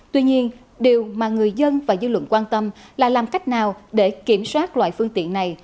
tuy nhiên điều mà người dân và dư luận quan tâm là làm cách nào để kiểm soát loại phương tiện này